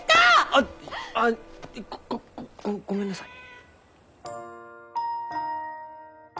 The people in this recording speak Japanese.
あっあごごごめんなさい。